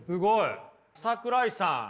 桜井さん。